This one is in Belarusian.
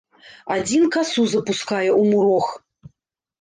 Адзін касу запускае ў мурог.